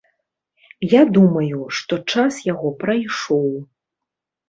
Я думаю, што час яго прайшоў.